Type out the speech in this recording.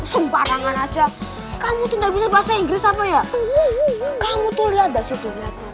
semparangan aja kamu tidak bisa bahasa inggris apa ya kamu tuh lihat